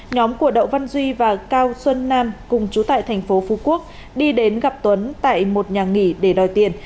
nhóm của đậu văn duy và cao xuân nam cùng chú tại thành phố phú quốc đi đến gặp tuấn tại một nhà nghỉ để đòi tiền